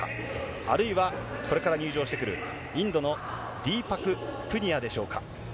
あるいはこれから入場してくる、インドのディーパク・プニアでしょうか。